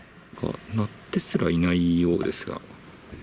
鳴ってすらいないようですが。